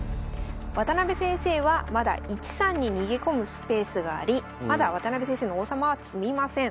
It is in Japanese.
渡辺先生はまだ１三に逃げ込むスペースがありまだ渡辺先生の王様は詰みません。